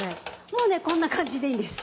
もうこんな感じでいいんです。